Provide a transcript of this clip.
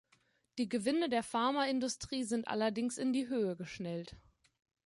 Die Gewinne der Pharmaindustrie sind allerdings in die Höhe geschnellt.